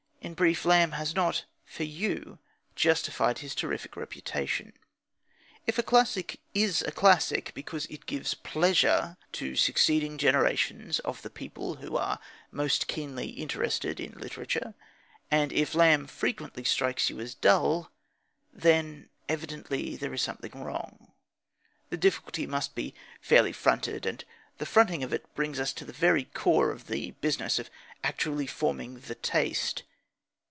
In brief, Lamb has not, for you, justified his terrific reputation. If a classic is a classic because it gives pleasure to succeeding generations of the people who are most keenly interested in literature, and if Lamb frequently strikes you as dull, then evidently there is something wrong. The difficulty must be fairly fronted, and the fronting of it brings us to the very core of the business of actually forming the taste.